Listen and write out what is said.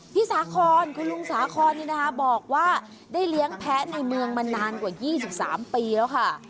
สาคอนคุณลุงสาคอนนี่นะคะบอกว่าได้เลี้ยงแพ้ในเมืองมานานกว่า๒๓ปีแล้วค่ะ